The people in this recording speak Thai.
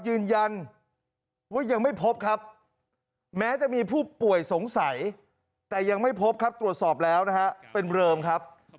ยืนยันว่ายังไม่พบครับแม้จะมีผู้ป่วยสงสัยแต่ยังไม่พบครับตรวจสอบแล้วนะฮะเป็นเริมครับ